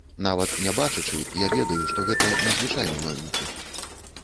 Нават не бачачы, я ведаю, што гэта не звычайны новенькі.